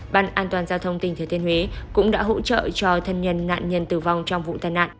bàn an toàn giao thông tỉnh thừa thiên huế cũng đã hỗ trợ cho thân nhân nạn nhân tử vong trong vụ tai nạn